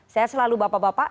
saya selalu bapak bapak